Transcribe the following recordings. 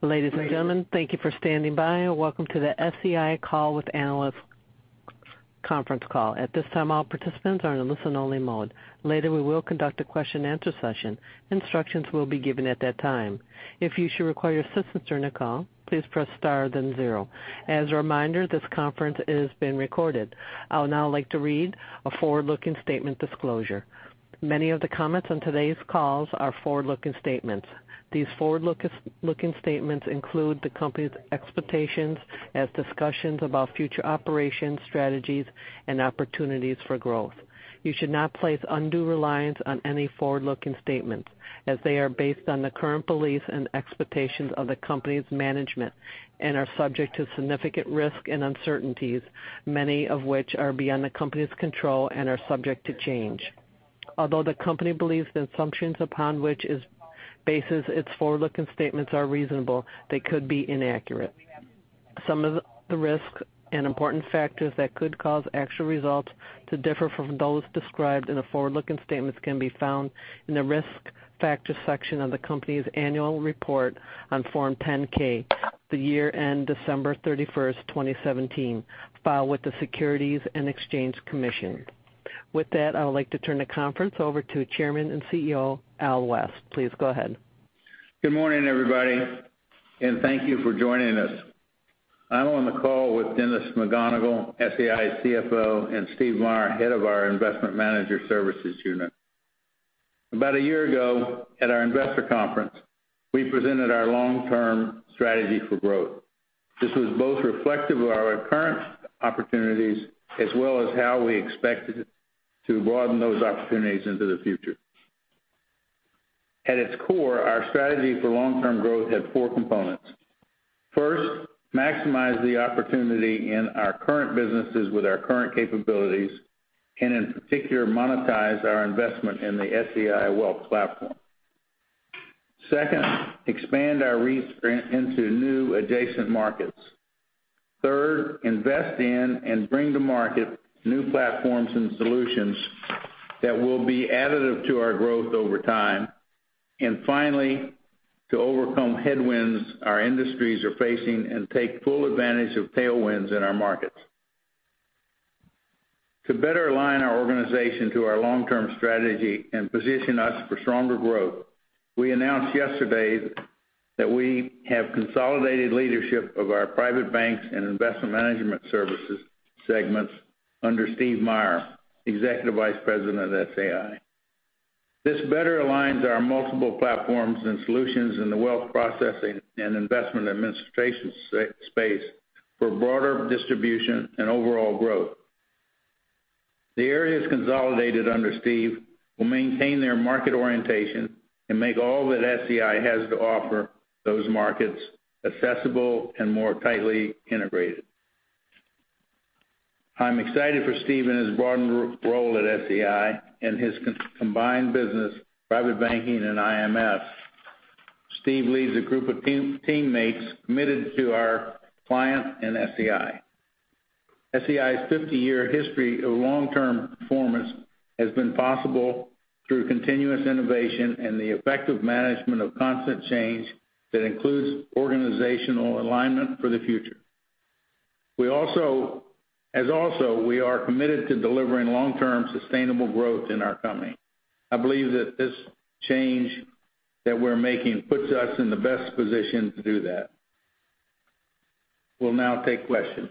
Ladies and gentlemen, thank you for standing by, and welcome to the SEI Call with Analysts conference call. At this time, all participants are in listen only mode. Later, we will conduct a question and answer session. Instructions will be given at that time. If you should require assistance during the call, please press star then zero. As a reminder, this conference is being recorded. I would now like to read a forward-looking statement disclosure. Many of the comments on today's calls are forward-looking statements. These forward-looking statements include the company's expectations as discussions about future operations, strategies, and opportunities for growth. You should not place undue reliance on any forward-looking statements as they are based on the current beliefs and expectations of the company's management and are subject to significant risk and uncertainties, many of which are beyond the company's control and are subject to change. Although the company believes the assumptions upon which it bases its forward-looking statements are reasonable, they could be inaccurate. Some of the risks and important factors that could cause actual results to differ from those described in the forward-looking statements can be found in the Risk Factors section of the company's annual report on Form 10-K for the year end December 31st, 2017, filed with the Securities and Exchange Commission. With that, I would like to turn the conference over to Chairman and CEO, Al West. Please go ahead. Good morning, everybody, and thank you for joining us. I'm on the call with Dennis McGonigle, SEI CFO, and Steve Meyer, Head of our Investment Manager Services unit. About a year ago at our investor conference, we presented our long-term strategy for growth. This was both reflective of our current opportunities as well as how we expected to broaden those opportunities into the future. At its core, our strategy for long-term growth had four components. First, maximize the opportunity in our current businesses with our current capabilities, and in particular, monetize our investment in the SEI Wealth Platform. Second, expand our reach into new adjacent markets. Third, invest in and bring to market new platforms and solutions that will be additive to our growth over time. And finally, to overcome headwinds our industries are facing and take full advantage of tailwinds in our markets. To better align our organization to our long-term strategy and position us for stronger growth, we announced yesterday that we have consolidated leadership of our Private Banks and Investment Manager Services segments under Steve Meyer, Executive Vice President of SEI. This better aligns our multiple platforms and solutions in the wealth processing and investment administration space for broader distribution and overall growth. The areas consolidated under Steve will maintain their market orientation and make all that SEI has to offer those markets accessible and more tightly integrated. I'm excited for Steve in his broadened role at SEI and his combined business, private banking and IMS. Steve leads a group of teammates committed to our clients and SEI. SEI's 50-year history of long-term performance has been possible through continuous innovation and the effective management of constant change that includes organizational alignment for the future. As also, we are committed to delivering long-term sustainable growth in our company. I believe that this change that we're making puts us in the best position to do that. We'll now take questions.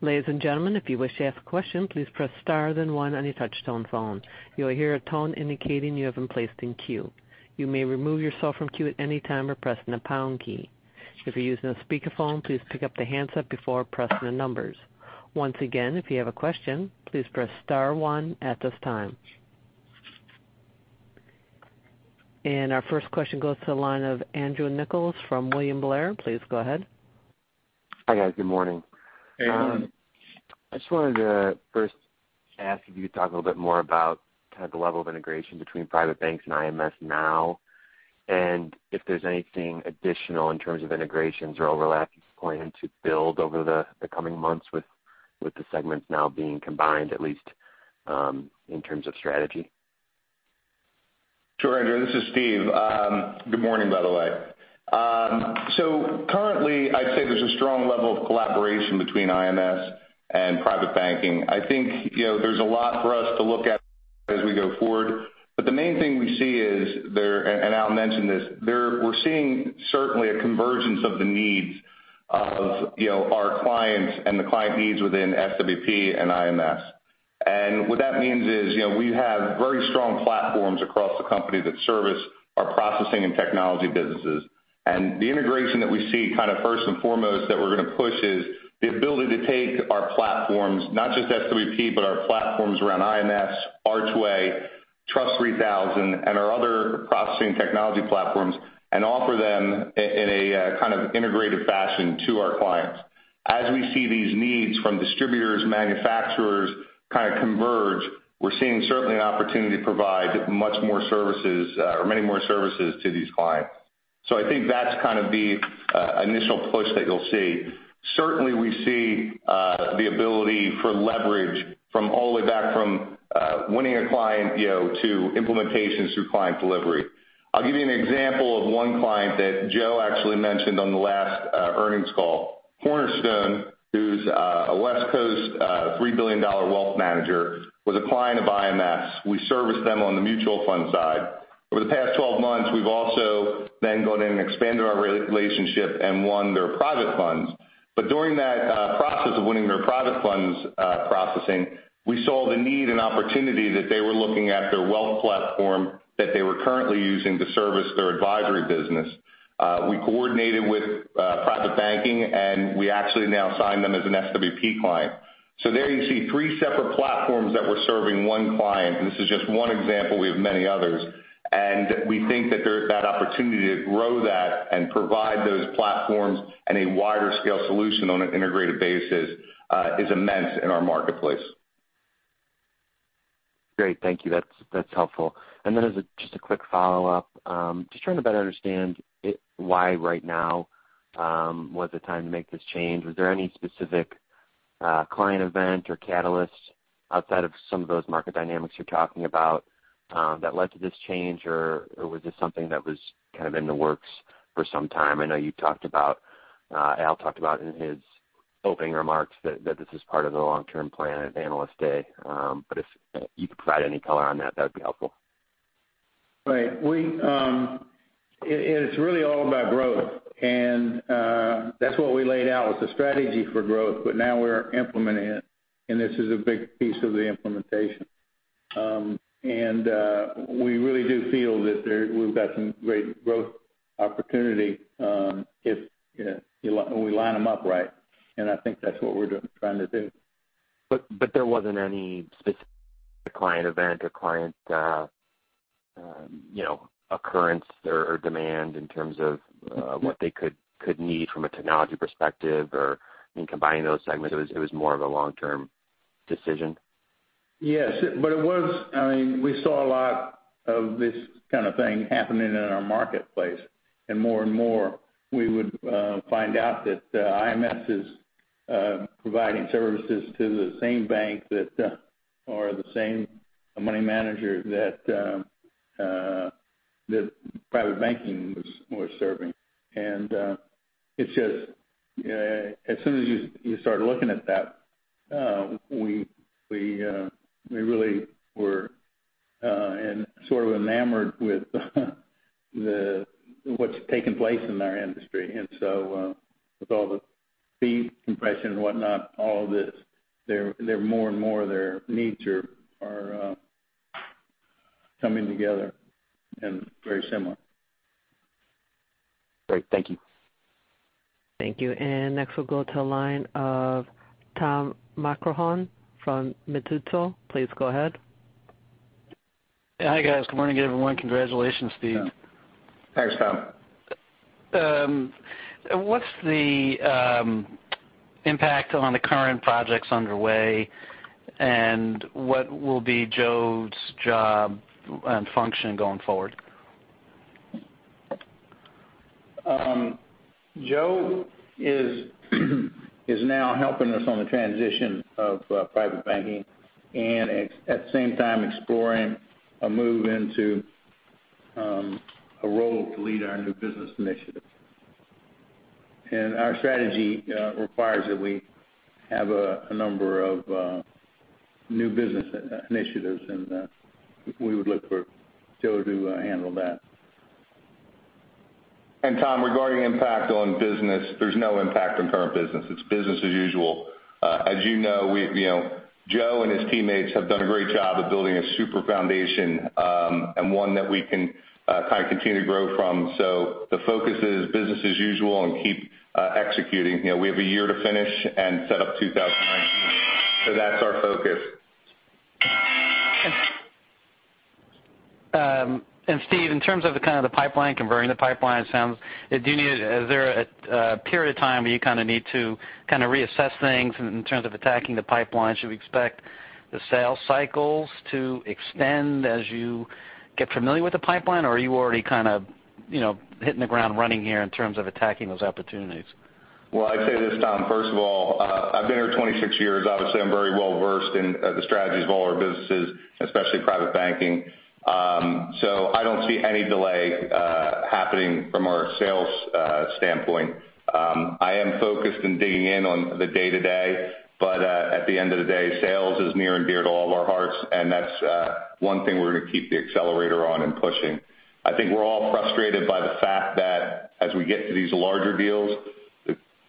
Ladies and gentlemen, if you wish to ask a question, please press star then one on your touch-tone phone. You will hear a tone indicating you have been placed in queue. You may remove yourself from queue at any time by pressing the pound key. If you're using a speakerphone, please pick up the handset before pressing the numbers. Once again, if you have a question, please press star one at this time. Our first question goes to the line of Andrew Nicholas from William Blair. Please go ahead. Hi, guys. Good morning. Hey. I just wanted to first ask if you could talk a little bit more about the level of integration between Private Banks and IMS now, and if there's anything additional in terms of integrations or overlap you plan to build over the coming months with the segments now being combined, at least in terms of strategy. Sure, Andrew. This is Steve. Good morning, by the way. Currently, I'd say there's a strong level of collaboration between IMS and private banking. I think there's a lot for us to look at as we go forward. The main thing we see is there, and Al mentioned this, we're seeing certainly a convergence of the needs of our clients and the client needs within SWP and IMS. What that means is we have very strong platforms across the company that service our processing and technology businesses. The integration that we see first and foremost that we're going to push is the ability to take our platforms, not just SWP, but our platforms around IMS, Archway, TRUST 3000, and our other processing technology platforms and offer them in an integrated fashion to our clients. As we see these needs from distributors, manufacturers converge, we're seeing certainly an opportunity to provide many more services to these clients. I think that's the initial push that you'll see. Certainly, we see the ability for leverage from all the way back from winning a client, to implementations through client delivery. I'll give you an example of one client that Joe actually mentioned on the last earnings call. Cornerstone, who's a West Coast, $3 billion wealth manager, was a client of IMS. We serviced them on the mutual fund side. Over the past 12 months, we've also then gone in and expanded our relationship and won their private funds. During that process of winning their private funds processing, we saw the need and opportunity that they were looking at their wealth platform that they were currently using to service their advisory business. We coordinated with private banking, we actually now signed them as an SWP client. There you see three separate platforms that we're serving one client. This is just one example, we have many others. We think that that opportunity to grow that and provide those platforms and a wider-scale solution on an integrated basis is immense in our marketplace. Great. Thank you. That's helpful. Then as just a quick follow-up, just trying to better understand why right now was the time to make this change. Was there any specific client event or catalyst outside of some of those market dynamics you're talking about that led to this change? Was this something that was kind of in the works for some time? I know Al talked about in his opening remarks that this is part of the long-term plan at Analyst Day. If you could provide any color on that would be helpful. Right. It is really all about growth. That's what we laid out was the strategy for growth, now we're implementing it, this is a big piece of the implementation. We really do feel that we've got some great growth opportunity if we line them up right. I think that's what we're trying to do. There wasn't any specific client event or client occurrence or demand in terms of what they could need from a technology perspective, or in combining those segments, it was more of a long-term decision? Yes. We saw a lot of this kind of thing happening in our marketplace. More and more, we would find out that IMS is providing services to the same bank that or the same money manager that private banking was serving. As soon as you start looking at that, we really were sort of enamored with what's taking place in our industry. With all the fee compression and whatnot, all of this, more and more their needs are coming together and very similar. Great. Thank you. Thank you. Next we'll go to the line of Tom Malko from Mizuho. Please go ahead. Hi, guys. Good morning, everyone. Congratulations, Steve. Thanks, Tom. What's the impact on the current projects underway? What will be Joe's job and function going forward? Joe is now helping us on the transition of private banking, at the same time exploring a move into a role to lead our new business initiatives. Our strategy requires that we have a number of new business initiatives, and we would look for Joe to handle that. Tom, regarding impact on business, there's no impact on current business. It's business as usual. As you know, Joe and his teammates have done a great job of building a super foundation, and one that we can continue to grow from. The focus is business as usual and keep executing. We have a year to finish and set up 2019. That's our focus. Steve, in terms of the kind of the pipeline, converting the pipeline, is there a period of time where you kind of need to reassess things in terms of attacking the pipeline? Should we expect the sales cycles to extend as you get familiar with the pipeline, or are you already kind of hitting the ground running here in terms of attacking those opportunities? Well, I'd say this, Tom. First of all, I've been here 26 years. Obviously, I'm very well-versed in the strategies of all our businesses, especially private banking. I don't see any delay happening from our sales standpoint. I am focused on digging in on the day-to-day, but at the end of the day, sales is near and dear to all of our hearts, and that's one thing we're going to keep the accelerator on and pushing. I think we're all frustrated by the fact that as we get to these larger deals,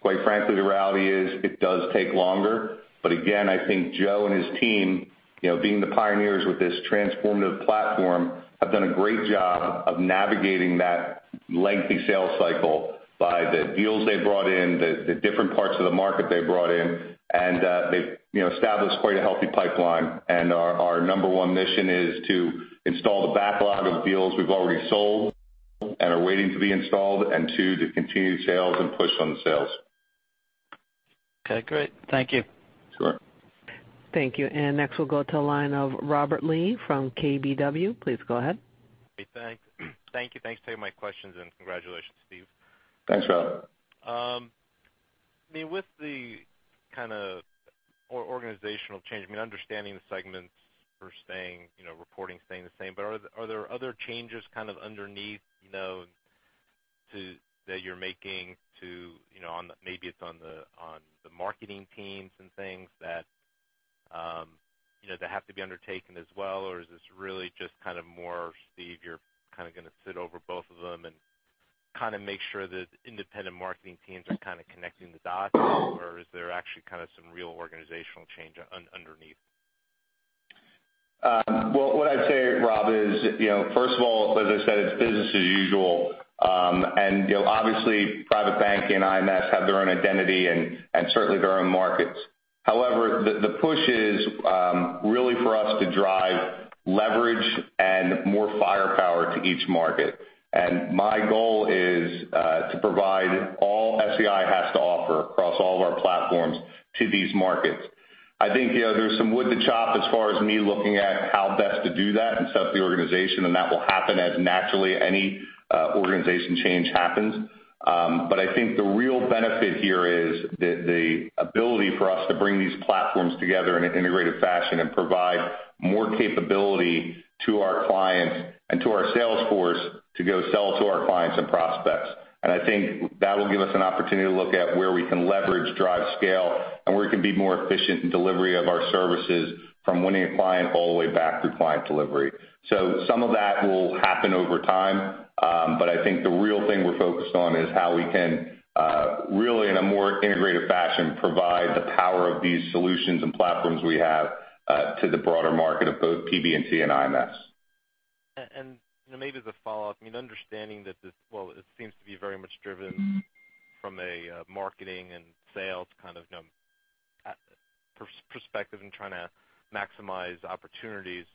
quite frankly, the reality is it does take longer. Again, I think Joe and his team, being the pioneers with this transformative platform, have done a great job of navigating that lengthy sales cycle by the deals they've brought in, the different parts of the market they've brought in, and they've established quite a healthy pipeline. Our number one mission is to install the backlog of deals we've already sold and are waiting to be installed, and two, to continue sales and push on the sales. Okay, great. Thank you. Sure. Thank you. Next we'll go to the line of Robert Lee from KBW. Please go ahead. Hey, thanks. Thank you. Thanks for taking my questions, and congratulations, Steve. Thanks, Rob. With the kind of organizational change, understanding the segments are staying, reporting staying the same, are there other changes kind of underneath that you're making to maybe it's on the marketing teams and things that have to be undertaken as well, or is this really just kind of more Steve, you're kind of going to sit over both of them and kind of make sure that independent marketing teams are kind of connecting the dots? Or is there actually kind of some real organizational change underneath? Well, what I'd say, Rob, is first of all, as I said, it's business as usual. Obviously Private Bank and IMS have their own identity and certainly their own markets. However, the push is really for us to drive leverage and more firepower to each market. My goal is to provide all SEI has to offer across all of our platforms to these markets. I think there's some wood to chop as far as me looking at how best to do that and set up the organization, and that will happen as naturally any organization change happens. I think the real benefit here is the ability for us to bring these platforms together in an integrated fashion and provide more capability to our clients and to our sales force to go sell to our clients and prospects. I think that will give us an opportunity to look at where we can leverage, drive scale, and where we can be more efficient in delivery of our services from winning a client all the way back through client delivery. Some of that will happen over time, I think the real thing we're focused on is how we can really, in a more integrated fashion, provide the power of these solutions and platforms we have to the broader market of both PB&T and IMS. Maybe the follow-up, understanding that this, it seems to be very much driven from a marketing and sales kind of perspective and trying to maximize opportunities.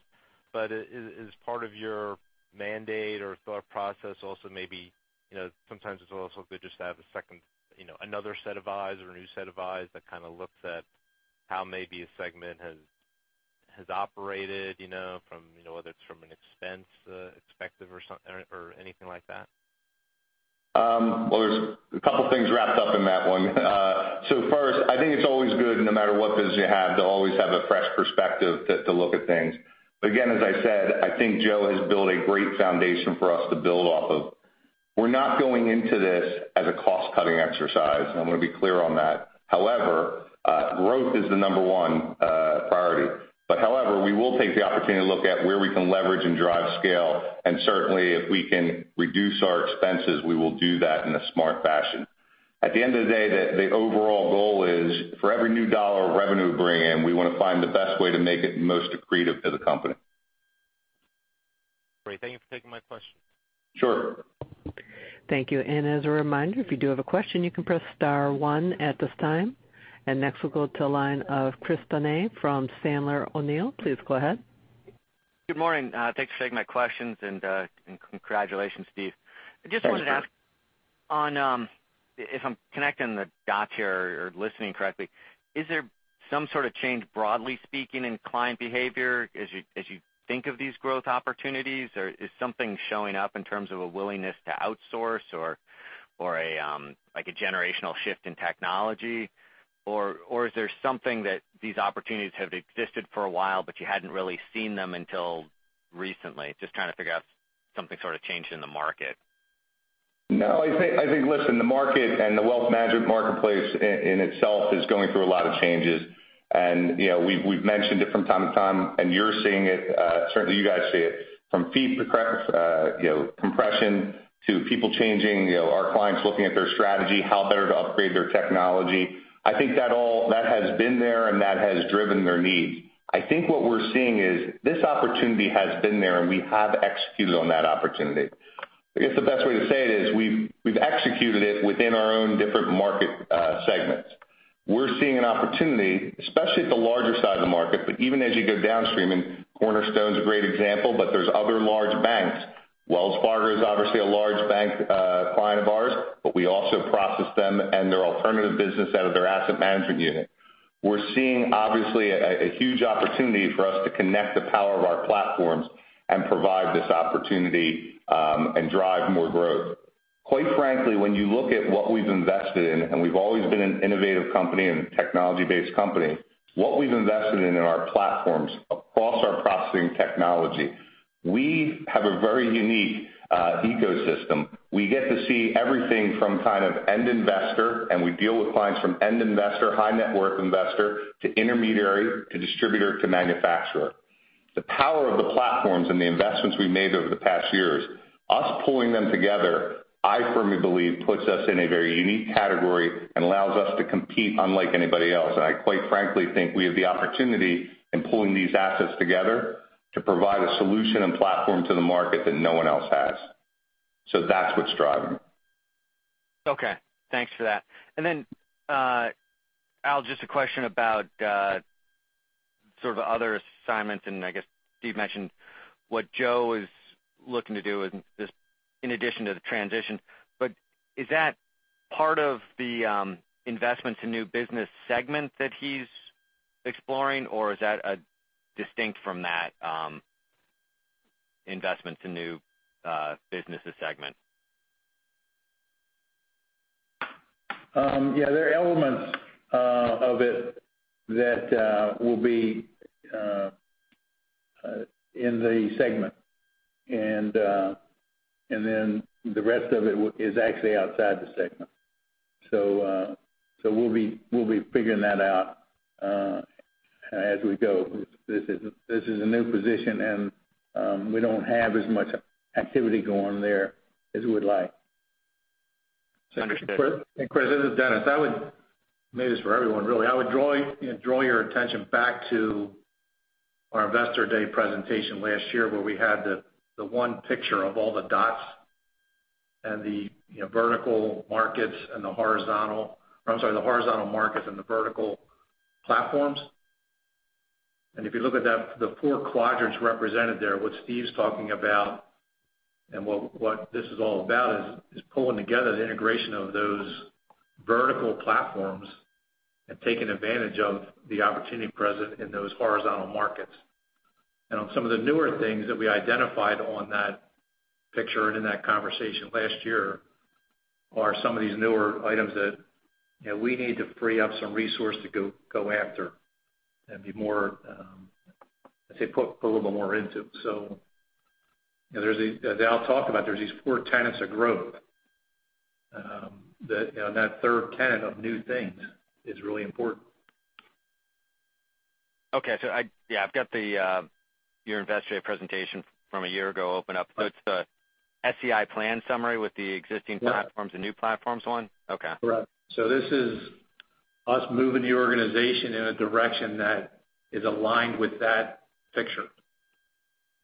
Is part of your mandate or thought process also maybe sometimes it's also good just to have another set of eyes or a new set of eyes that kind of looks at how maybe a segment has operated, whether it's from an expense perspective or anything like that? There's two things wrapped up in that one. First, I think it's always good, no matter what business you have, to always have a fresh perspective to look at things. Again, as I said, I think Joe has built a great foundation for us to build off of. We're not going into this as a cost-cutting exercise, and I'm going to be clear on that. However, growth is the number one priority. However, we will take the opportunity to look at where we can leverage and drive scale, and certainly if we can reduce our expenses, we will do that in a smart fashion. At the end of the day, the overall goal is for every new dollar of revenue we bring in, we want to find the best way to make it most accretive to the company. Great. Thank you for taking my question. Sure. Thank you. As a reminder, if you do have a question, you can press star 1 at this time. Next we'll go to the line of Chris Donat from Sandler O'Neill. Please go ahead. Good morning. Thanks for taking my questions and congratulations, Steve. Thanks, Chris. I just wanted to ask, if I'm connecting the dots here or listening correctly, is there some sort of change broadly speaking in client behavior as you think of these growth opportunities? Is something showing up in terms of a willingness to outsource or a generational shift in technology? Is there something that these opportunities have existed for a while, but you hadn't really seen them until recently? Just trying to figure out if something sort of changed in the market. No, I think, listen, the market and the wealth management marketplace in itself is going through a lot of changes. We've mentioned it from time to time, and you're seeing it, certainly you guys see it, from fee compression to people changing, our clients looking at their strategy, how better to upgrade their technology. I think that has been there, and that has driven their needs. I think what we're seeing is this opportunity has been there, and we have executed on that opportunity. I guess the best way to say it is we've executed it within our own different market segments. We're seeing an opportunity, especially at the larger side of the market, but even as you go downstream, and Cornerstone's a great example, but there's other large banks. Wells Fargo is obviously a large bank client of ours, but we also process them and their alternative business out of their asset management unit. We're seeing obviously a huge opportunity for us to connect the power of our platforms and provide this opportunity and drive more growth. Quite frankly, when you look at what we've invested in, and we've always been an innovative company and a technology-based company, what we've invested in in our platforms across our processing technology, we have a very unique ecosystem. We get to see everything from kind of end investor, and we deal with clients from end investor, high net worth investor, to intermediary, to distributor, to manufacturer. The power of the platforms and the investments we've made over the past years, us pulling them together, I firmly believe puts us in a very unique category and allows us to compete unlike anybody else. I quite frankly think we have the opportunity in pulling these assets together to provide a solution and platform to the market that no one else has. That's what's driving it. Okay. Thanks for that. Al, just a question about sort of other assignments, and I guess Steve mentioned what Joe is looking to do in addition to the transition. Is that part of the investments in new business segment that he's exploring? Is that distinct from that investments in new businesses segment? Yeah. There are elements of it that will be in the segment, and then the rest of it is actually outside the segment. We'll be figuring that out as we go. This is a new position, and we don't have as much activity going there as we'd like. Understood. Chris, this is Dennis. Maybe this is for everyone, really. I would draw your attention back to our investor day presentation last year, where we had the one picture of all the dots and the horizontal markets and the vertical platforms. If you look at the four quadrants represented there, what Steve's talking about and what this is all about is pulling together the integration of those vertical platforms and taking advantage of the opportunity present in those horizontal markets. On some of the newer things that we identified on that picture and in that conversation last year are some of these newer items that we need to free up some resource to go after and be more, I'd say, put a little bit more into. Al talked about there's these four tenets of growth. That third tenet of new things is really important. Okay. I've got your investor presentation from a year ago opened up. It's the SEI plan summary with the existing platforms- Yeah. New platforms one? Okay. Correct. This is us moving the organization in a direction that is aligned with that picture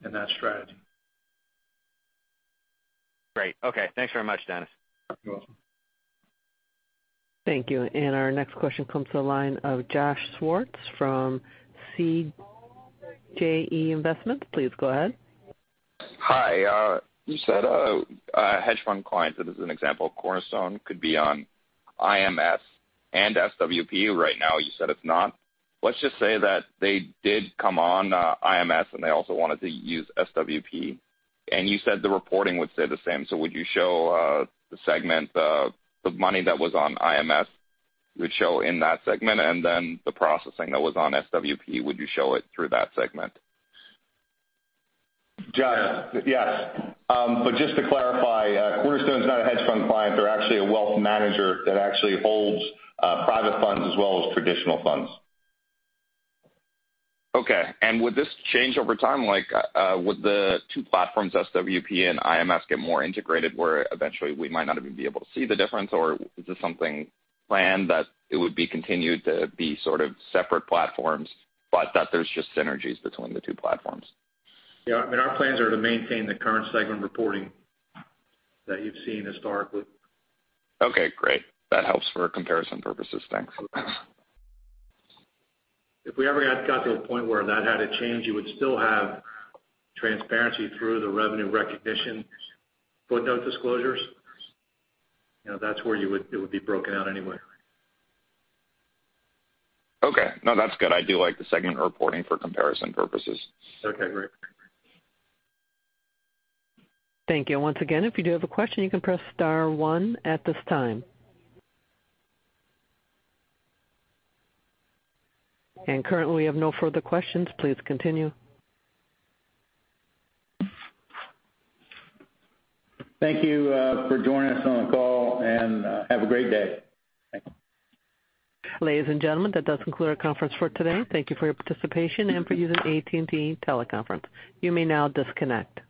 and that strategy. Great. Okay. Thanks very much, Dennis. You're welcome. Thank you. Our next question comes to the line of Josh Schwartz from CJE Investments. Please go ahead. Hi. You said a hedge fund client, this is an example, Cornerstone could be on IMS and SWP. Right now, you said it's not. Let's just say that they did come on IMS and they also wanted to use SWP, you said the reporting would stay the same. Would you show the segment, the money that was on IMS, would show in that segment, and then the processing that was on SWP, would you show it through that segment? Josh, yes. Just to clarify, Cornerstone is not a hedge fund client. They're actually a wealth manager that actually holds private funds as well as traditional funds. Okay. Would this change over time? Would the two platforms, SWP and IMS, get more integrated, where eventually we might not even be able to see the difference? Or is this something planned that it would be continued to be sort of separate platforms, but that there's just synergies between the two platforms? Yeah. I mean, our plans are to maintain the current segment reporting that you've seen historically. Okay, great. That helps for comparison purposes. Thanks. If we ever got to a point where that had to change, you would still have transparency through the revenue recognition footnote disclosures. That's where it would be broken out anyway. Okay. No, that's good. I do like the segment reporting for comparison purposes. Okay, great. Thank you. Once again, if you do have a question, you can press star one at this time. Currently we have no further questions. Please continue. Thank you for joining us on the call. Have a great day. Thanks. Ladies and gentlemen, that does conclude our conference for today. Thank you for your participation and for using AT&T Teleconference. You may now disconnect.